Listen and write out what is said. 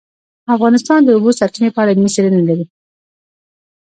افغانستان د د اوبو سرچینې په اړه علمي څېړنې لري.